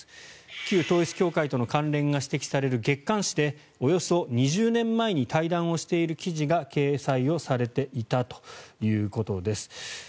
旧統一教会との関連が指摘される月刊誌でおよそ２０年前に対談をしている記事が掲載をされていたということです。